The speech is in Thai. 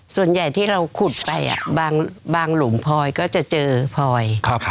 ส่วนใหญ่ที่เราขุดไปบางหลุมพลอยก็จะเจอพลอย